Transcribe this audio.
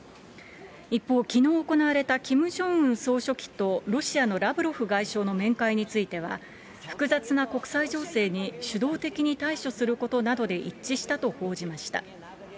一方、きのう行われたキム・ジョンウン総書記とロシアのラブロフ外相の面会については、複雑な国際情勢に主導的に対処することなどで一致したと報じました。